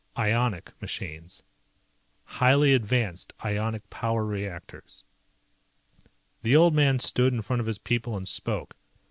Ionic machines. Highly advanced ionic power reactors. The old man stood in front of his people and spoke.